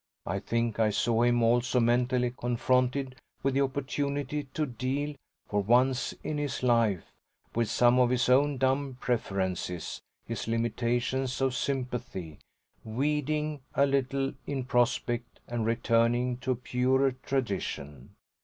I think I saw him also mentally confronted with the opportunity to deal for once in his life with some of his own dumb preferences, his limitations of sympathy, WEEDING a little in prospect and returning to a purer tradition.